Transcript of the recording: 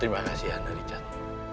terima kasih anda naricat